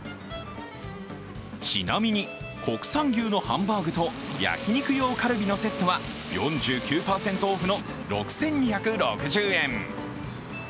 ちなみに、国産牛のハンバーグと焼肉用カルビのセットは４９％オフの６２６０円。